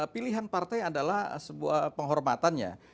pilihan partai adalah sebuah penghormatannya